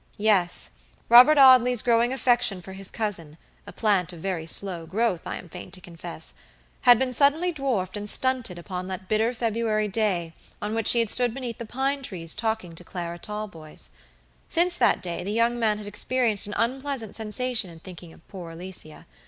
Yes, Robert Audley's growing affection for his cousin, a plant of very slow growth, I am fain to confess, had been suddenly dwarfed and stunted upon that bitter February day on which he had stood beneath the pine trees talking to Clara Talboys. Since that day the young man had experienced an unpleasant sensation in thinking of poor Alicia.